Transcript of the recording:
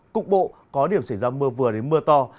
cục bộ có điểm xảy ra mưa vừa đến mưa to